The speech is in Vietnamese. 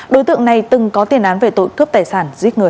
đối tượng này từng có tiền án về tội cướp tài sản giết người